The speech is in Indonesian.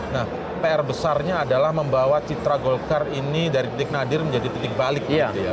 nah pr besarnya adalah membawa citra golkar ini dari titik nadir menjadi titik balik begitu ya